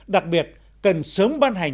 đặc biệt cần sớm ban hành